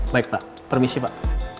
baik pak permisi pak